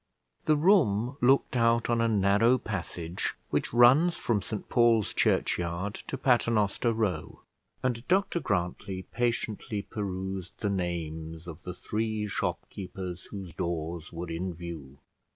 The room looked out on a narrow passage which runs from St Paul's Churchyard to Paternoster Row; and Dr Grantly patiently perused the names of the three shopkeepers whose doors were in view.